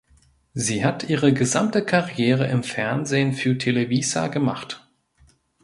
Sie hat ihre gesamte Karriere im Fernsehen für Televisa gemacht.